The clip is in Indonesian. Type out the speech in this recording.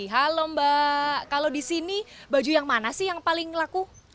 halo mbak kalau di sini baju yang mana sih yang paling laku